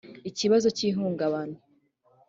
ikibazo cy’ ihungabana